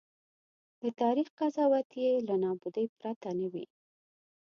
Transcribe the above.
د تاریخ قضاوت یې له نابودۍ پرته نه وي.